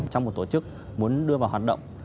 trong một tổ chức muốn đưa vào hoạt động